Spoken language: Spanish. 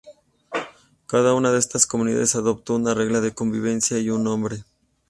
Cada una de estas comunidades adoptó una regla de convivencia y un nombre.